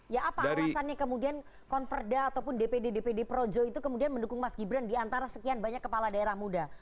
ya apa alasannya kemudian konverda ataupun dpd dpd projo itu kemudian mendukung mas gibran di antara sekian banyak kepala daerah muda